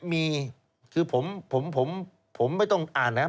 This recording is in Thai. มีคือผมไม่ต้องอ่านนะครับ